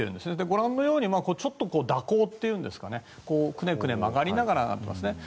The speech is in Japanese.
ご覧のようにちょっと蛇行といいますかくねくね曲がりながらです。